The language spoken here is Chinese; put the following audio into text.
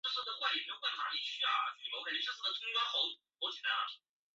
县市合并前为全县人口最多的镇。